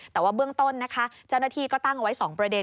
แต่ว่าเบื้องต้นนะคะเจ้าหน้าที่ก็ตั้งเอาไว้๒ประเด็น